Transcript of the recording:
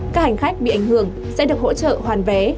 các hành khách bị ảnh hưởng sẽ được hỗ trợ hoàn vé